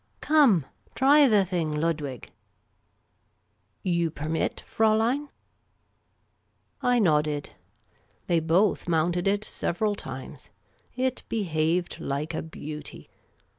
Come, try the thing, Ludwig !"" You permit, Fraulein ?" I nodded. They both mounted it several times. It be haved like a beauty.